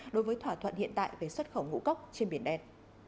đối với thỏa thuận hiện tại về xuất khẩu ngũ cốc trên biển đen